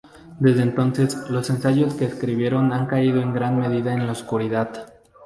Desde entonces, los ensayos que escribieron han caído en gran medida en la oscuridad.